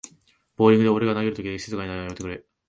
ボーリングで俺が投げるときだけ静かになるのやめてくれ